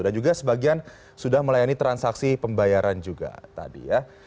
dan juga sebagian sudah melayani transaksi pembayaran juga tadi ya